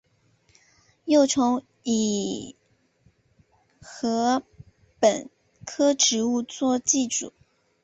幼虫以禾本科植物作寄主。